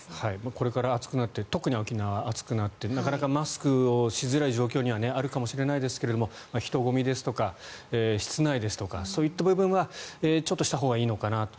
これから暑くなって特に沖縄は暑くなってなかなかマスクをしづらい状況にはあるかもしれませんが人混みですとか室内ですとかそういった部分はちょっと、したほうがいいのかなと。